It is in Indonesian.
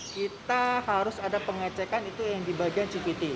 kita harus ada pengecekan itu yang di bagian cvt